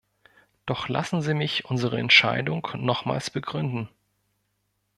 Doch lassen Sie mich unsere Entscheidung nochmals begründen.